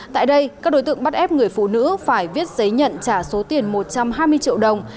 tại đây các đối tượng bắt ép người phụ nữ phải viết giấy nhận trả số tiền một trăm hai mươi triệu đồng